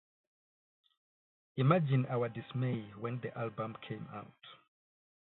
Imagine our dismay when the album came out.